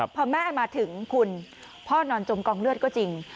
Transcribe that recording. พอแม่มาถึงคุณพ่อนอนจมกองเลือดก็จริง